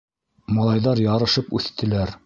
Малайҙар ярышып үҫтеләр.